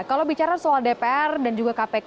kalau bicara soal dpr dan juga kpk